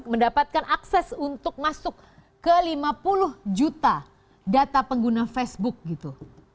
mendapatkan akses untuk masuk ke lima puluh juta data pengguna facebook gitu